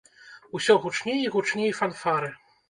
Усё гучней і гучней фанфары.